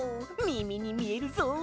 みみにみえるぞ！